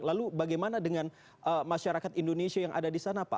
lalu bagaimana dengan masyarakat indonesia yang ada di sana pak